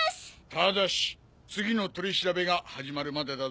ただし次の取り調べが始まるまでだぞ。